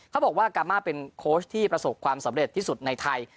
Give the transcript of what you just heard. เขาบอกว่ากามาเป็นโค้ชที่ประสบความสำเร็จที่สุดในไทย